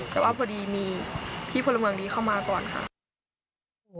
แต่ว่าพอดีมีพี่พลเมืองดีเข้ามาก่อนค่ะ